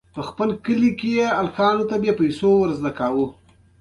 د افغانستان جغرافیه کې وحشي حیوانات ستر اهمیت لري.